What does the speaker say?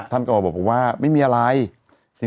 ท่านก็บอกว่าไม่มีอะไร